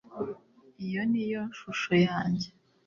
iyo niyo shusho yanjye